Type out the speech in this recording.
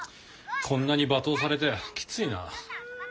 こんなに罵倒されてきついな。